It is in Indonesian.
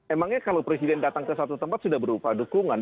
emangnya kalau presiden datang ke satu tempat sudah berupa dukungan